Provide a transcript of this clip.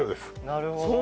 なるほど。